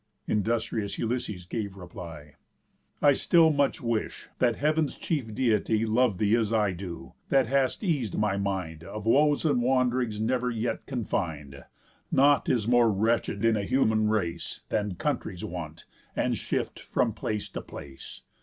Industrious Ulysses gave reply: "I still much wish, that Heav'n's chief Deity Lov'd thee, as I do, that hast eas'd my mind Of woes and wand'rings never yet confin'd. _Nought is more wretched in a human race, Than country's want, and shift from place to place.